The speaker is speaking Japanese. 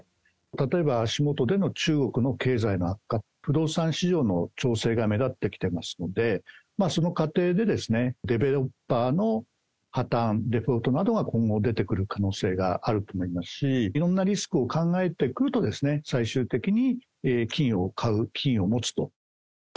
例えば、足元での中国の経済の悪化、不動産市場の調整が目立ってきてますので、その過程でデベロッパーの破綻、デフォルトなどが今後出てくる可能性があると思いますし、いろんなリスクを考えてくると、最終的に金を買う、金を持つと。